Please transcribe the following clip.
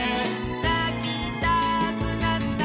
「なきたくなったら」